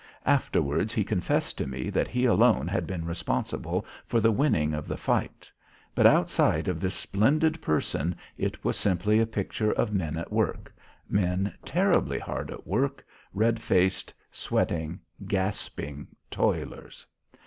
Afterwards he confessed to me that he alone had been responsible for the winning of the fight. But outside of this splendid person it was simply a picture of men at work, men terribly hard at work, red faced, sweating, gasping toilers.